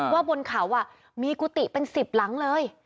บนเขามีกุฏิเป็น๑๐หลังเลย